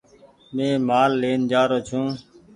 مينٚ مآل لين جآرو ڇوٚنٚ